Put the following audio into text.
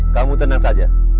kamu tenang saja